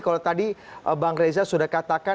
kalau tadi bang reza sudah katakan